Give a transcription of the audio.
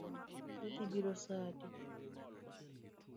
Idhi biro saa adi?